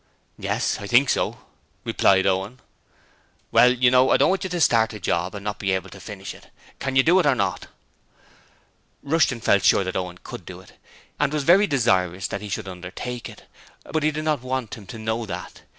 'Yes, I think so,' replied Owen. 'Well, you know, I don't want you to start on the job and not be able to finish it. Can you do it or not?' Rushton felt sure that Owen could do it, and was very desirous that he should undertake it, but he did not want him to know that.